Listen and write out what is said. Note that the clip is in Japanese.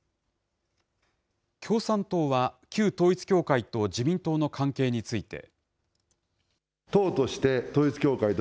共産党は、旧統一教会と自民党の関係について。